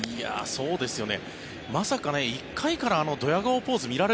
そうですね。